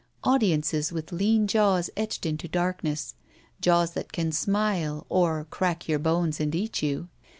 Audiences with lean jaws etched into darkness. Jaws that can smile or crack your bones and eat you.